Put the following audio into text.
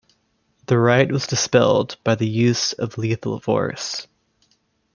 The riot was dispelled by the use of lethal force.